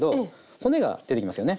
骨が出てきますよね。